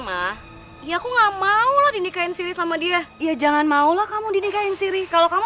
mah ya aku nggak mau lah dinikahin siri sama dia ya jangan maulah kamu dinikain siri kalau kamu